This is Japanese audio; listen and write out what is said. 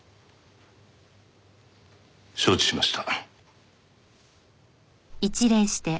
承知しました。